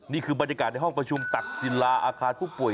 นี่คือบรรยากาศในห้องประชุมตักศิลาอาคารผู้ป่วย